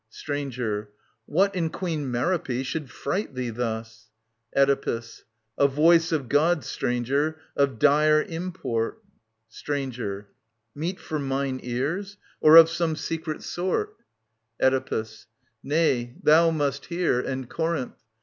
Stranger. What in Queen Merop^ should fright thee thus ? Oedipus. A voice of God, stranger, of dire import. Stranger. Meet for mine ears ? Or of some secret sort ? 56 TT.994 1009 OEDIPUS, KING OF THEBES Oedipus. Nay, thou must hear, and Corinth.